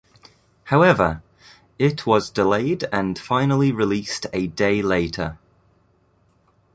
However, it was delayed and finally released a day later.